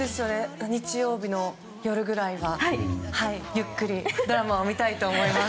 日曜日の夜くらいはゆっくりドラマを見たいと思います。